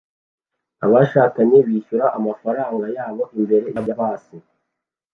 Abashakanye bishyura amafaranga yabo imbere ya bisi